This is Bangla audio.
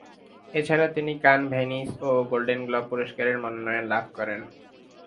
এছাড়াও তিনি কান, ভেনিস ও গোল্ডেন গ্লোব পুরস্কারের মনোনয়ন লাভ করেন।